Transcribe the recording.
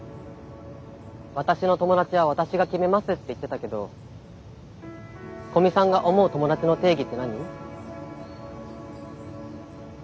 「私の友達は私が決めます」って言ってたけど古見さんが思う友達の定義って何？